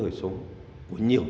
bởi vì không cho những letzt